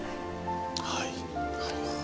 はい。